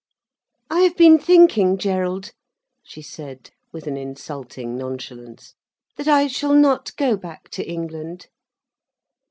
"I have been thinking, Gerald," she said, with an insulting nonchalance, "that I shall not go back to England."